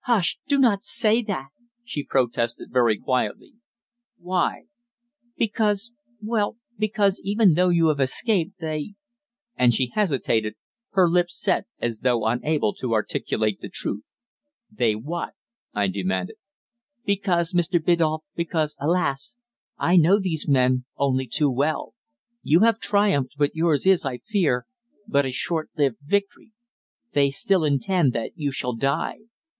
"Hush! Do not say that," she protested very quietly. "Why?" "Because well, because even though you have escaped, they " and she hesitated, her lips set as though unable to articulate the truth. "They what?" I demanded. "Because, Mr. Biddulph because, alas! I know these men only too well. You have triumphed; but yours is, I fear, but a short lived victory. They still intend that you shall die!"